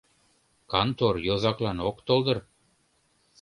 Кантор йозаклан ок тол дыр?